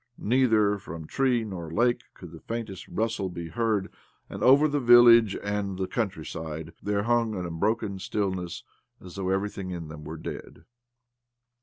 Neither from tree nor lake could the faintest rustle be heard, and over the villagte and the countryside there hung an unbroken stillness, as though everything in them were dead.